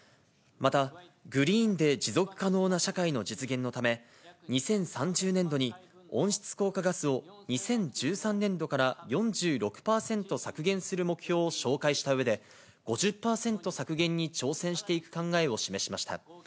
また、グリーンで持続可能な社会の実現のため、２０３０年度に温室効果ガスを２０１３年度から４６％削減する目標を紹介したうえで、５０％削減に挑戦していく考えを示しました。